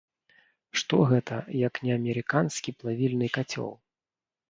Што гэта, як не амерыканскі плавільны кацёл?